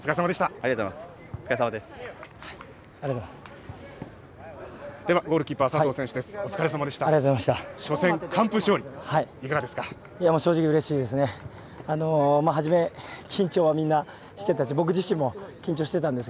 ありがとうございます。